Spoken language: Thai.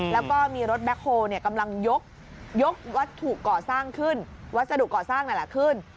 แล้วก็มีรถแบ็คโฮลกำลังยกวัตถุก่อสร้างขึ้นวัสดุก่อสร้างนั่นแหละขึ้น